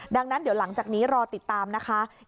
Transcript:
ดังนั้นเดี๋ยวหลังจากนี้รอติดตามนะคะ